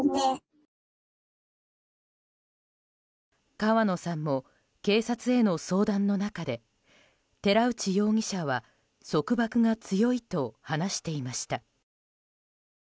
川野さんも警察への相談の中で寺内容疑者は束縛が強いと話していました。